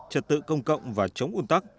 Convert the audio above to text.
trật tự công cộng và chống ủn tắc